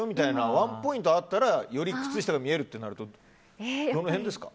ワンポイントあったらより靴下が見えるってなるとどの辺ですか？